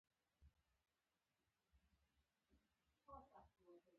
هم بدماش شي او هم د خپلې ټولنې له مدار ووزي.